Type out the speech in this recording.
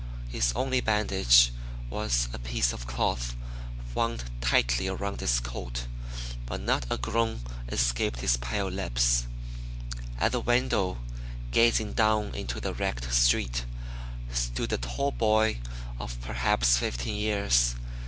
His only bandage was a piece of cloth wound tightly around his coat, but not a groan escaped his pale lips. At the window, gazing down into the wrecked street, stood a tall boy of perhaps fifteen years.